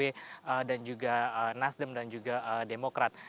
ada nasdem dan juga demokrat